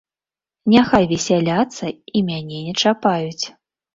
Няхай весяляцца і мяне не чапаюць.